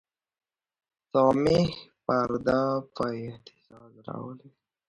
صماخ پرده په اهتزاز راولي.